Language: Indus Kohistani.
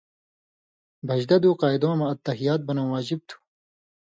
بھَژَدہ دُو قاعدٶں مہ التَّحِیَّات بنٶں واجب تھو۔